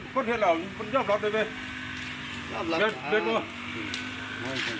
พี่หยัง